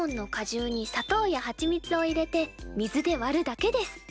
じゅうに砂糖やはちみつを入れて水で割るだけです。